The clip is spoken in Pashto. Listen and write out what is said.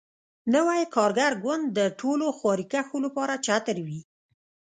نوی کارګر ګوند د ټولو خواریکښو لپاره چتر وي.